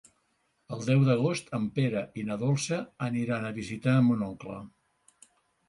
El deu d'agost en Pere i na Dolça aniran a visitar mon oncle.